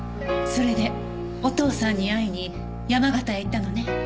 それでお父さんに会いに山形へ行ったのね？